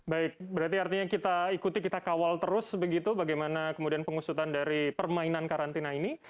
baik berarti artinya kita ikuti kita kawal terus begitu bagaimana kemudian pengusutan dari permainan karantina ini